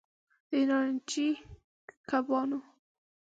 د نارنجي کبانو